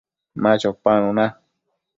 Ma chopanuna